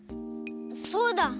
そうだ。